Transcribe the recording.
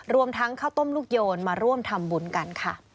รวมทั้งข้าวต้มลูกโยนมาร่วมทำบุญกันค่ะ